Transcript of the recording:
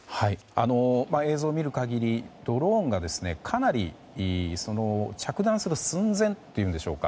映像を見る限りドローンが着弾する寸前というんでしょうか